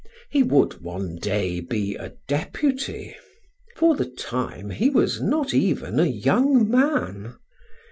He would one day be a deputy. For the time he was not even a young man.